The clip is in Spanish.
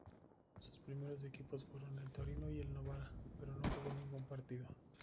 Sus primeros equipos fueron el Torino y el Novara, pero no jugó ningún partido.